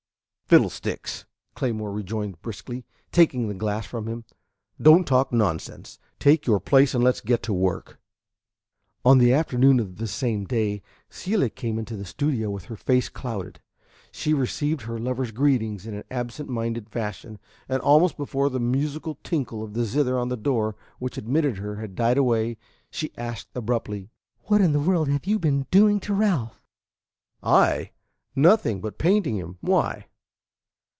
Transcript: "Fiddlesticks!" Claymore rejoined briskly, taking the glass from him. "Don't talk nonsense. Take your place and let's get to work." IV On the afternoon of the same day Celia came into the studio with her face clouded. She received her lover's greetings in an absent minded fashion, and almost before the musical tinkle of the zither on the door which admitted her had died away, she asked abruptly: "What in the world have you been doing to Ralph?" "I? Nothing but painting him. Why?"